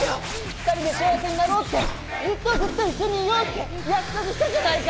２人で幸せになろうってずっとずっと一緒にいようって約束したじゃないか！